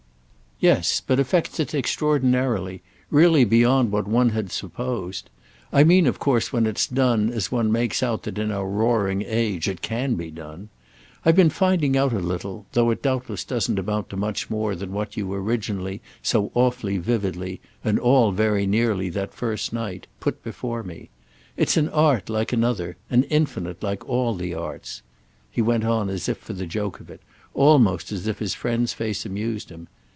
"Yes—but affects it extraordinarily; really beyond what one had supposed. I mean of course when it's done as one makes out that in our roaring age, it can be done. I've been finding out a little, though it doubtless doesn't amount to much more than what you originally, so awfully vividly—and all, very nearly, that first night—put before me. It's an art like another, and infinite like all the arts." He went on as if for the joke of it—almost as if his friend's face amused him.